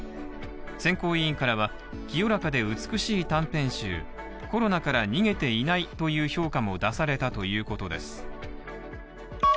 選考委員からは、清らかで美しい短編集、コロナから逃げていないという評価も出されたということです。